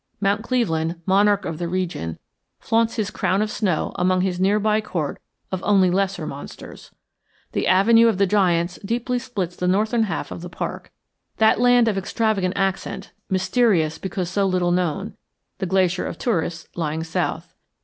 Mount Cleveland, monarch of the region, flaunts his crown of snow among his near by court of only lesser monsters. The Avenue of the Giants deeply splits the northern half of the park, that land of extravagant accent, mysterious because so little known; the Glacier of tourists lying south.